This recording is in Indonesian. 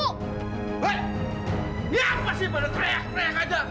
hei apa sih pada karyak karyak aja